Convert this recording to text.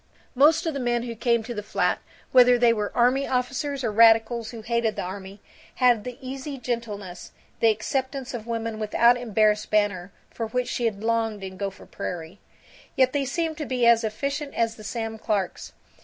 Most of the men who came to the flat, whether they were army officers or radicals who hated the army, had the easy gentleness, the acceptance of women without embarrassed banter, for which she had longed in Gopher Prairie. Yet they seemed to be as efficient as the Sam Clarks.